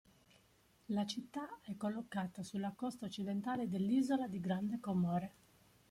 La città è collocata sulla costa occidentale dell'isola di Grande Comore.